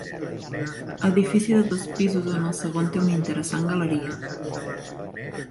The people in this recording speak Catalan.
Edifici de dos pisos on el segon té una interessant galeria.